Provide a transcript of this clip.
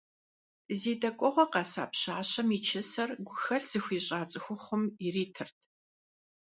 Зи дэкӀуэгъуэ къэса пщащэм и чысэр гухэлъ зыхуищӀа цӀыхухъум иритырт.